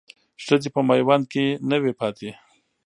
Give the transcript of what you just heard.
ښځې په میوند کې نه وې پاتې.